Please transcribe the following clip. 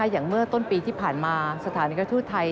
อย่างเมื่อต้นปีที่ผ่านมาสถานกทูตไทย